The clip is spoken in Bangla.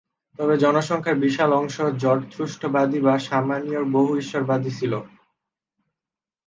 তবে জনসংখ্যার বিশাল অংশ জরথুস্ট্রবাদী বা শামানীয় বহু-ঈশ্বরবাদী ছিল।